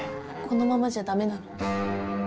このままじゃダメなの？